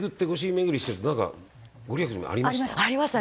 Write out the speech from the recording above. めぐりしてるとなんか御利益みたいなのありました？